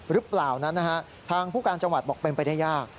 หรือเปล่านั้นนะฮะทางผู้การจังหวัดบอกเป็นไปได้ยาก